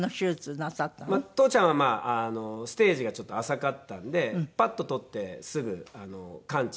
父ちゃんはステージがちょっと浅かったんでパッと取ってすぐ完治したんですよね。